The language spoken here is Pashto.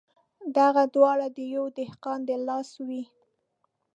دغه واړه د یوه دهقان د لاس وې.